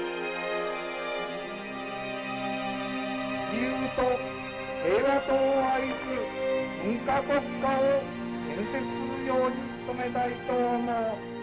「自由と平和とを愛する文化国家を建設するように努めたいと思う」。